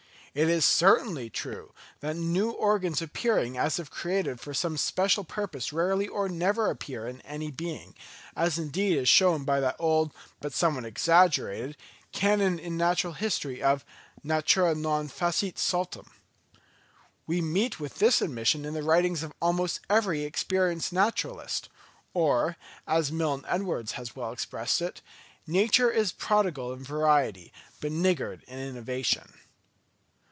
It is certainly true, that new organs appearing as if created for some special purpose rarely or never appear in any being; as indeed is shown by that old, but somewhat exaggerated, canon in natural history of "Natura non facit saltum." We meet with this admission in the writings of almost every experienced naturalist; or, as Milne Edwards has well expressed it, "Nature is prodigal in variety, but niggard in innovation."